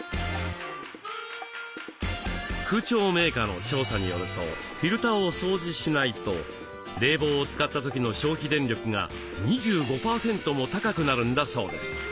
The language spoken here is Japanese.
空調メーカーの調査によるとフィルターを掃除しないと冷房を使った時の消費電力が２５％も高くなるんだそうです。